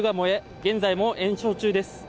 現在も延焼中です